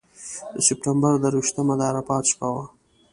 د سپټمبر درویشتمه د عرفات شپه وه.